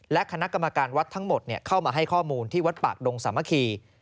และคณะกรรมการวัดทั้งหมดเข้ามาให้ข้อมูลที่วัดปากดงสามัคคี